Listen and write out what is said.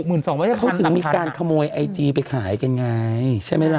เขาถึงมีการขโมยไอจีไปขายกันไงใช่ไหมล่ะ